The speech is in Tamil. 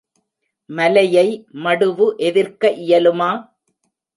மலையை மடுவு எதிர்க்க இயலுமா?